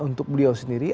untuk beliau sendiri